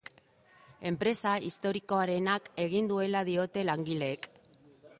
Enpresa historikoarenak egin duela diote langileek.